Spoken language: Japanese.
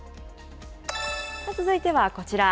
続いてはこちら。